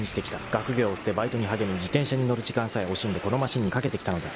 ［学業を捨てバイトに励み自転車に乗る時間さえ惜しんでこのマシンに懸けてきたのだ］